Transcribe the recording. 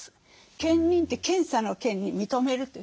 検認って検査の「検」に認めるという。